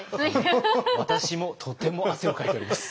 私もとても汗をかいております。